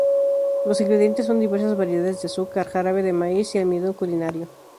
Los ingredientes son diversas variedades de azúcar, jarabe de maíz y almidón culinario.